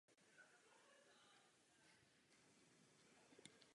Doping je každodenní problém a vyskytly se i smrtelná neštěstí.